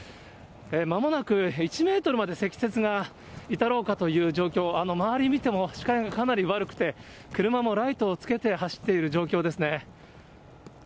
まもなく１メートルまで積雪が至ろうかという状況、周り見ても、視界がかなり悪くて、車もライトをつけて走っている状況ですね。